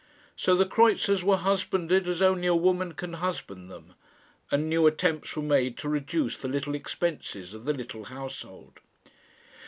So the kreutzers were husbanded as only a woman can husband them, and new attempts were made to reduce the little expenses of the little household.